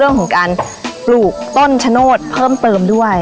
เรื่องของการปลูกต้นชะโนธเพิ่มเติมด้วย